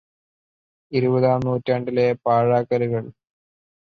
ഇരുപതാം നൂറ്റാണ്ടിലെ പാഴാക്കലുകള്